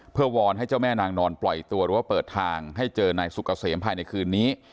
เพื่อวอนให้เจ้าแม่นางนอนปล่อยตัวหรือว่าเปิดทางให้เจอนายสุกเกษมภายในคืนนี้